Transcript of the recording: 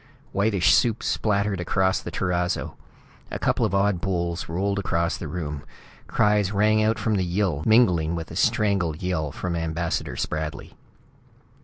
Whitish soup splattered across the terrazzo. A couple of odd bowls rolled across the room. Cries rang out from the Yill, mingling with a strangled yell from Ambassador Spradley.